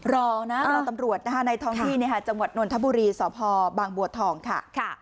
รอตำรวจในท้องที่จังหวัดหน่วนธบุรีส่อพอฯบางบวชทองค่ะ